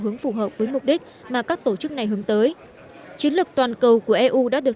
hướng phù hợp với mục đích mà các tổ chức này hướng tới chiến lược toàn cầu của eu đã được